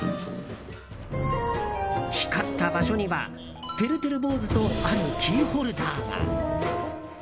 光った場所にはてるてる坊主とあるキーホルダーが。